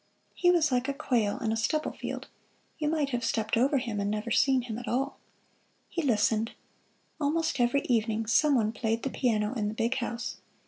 He was like a quail in a stubble field you might have stepped over him and never seen him at all. He listened. Almost every evening some one played the piano in the big house.